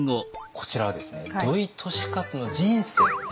こちらはですね土井利勝の人生をね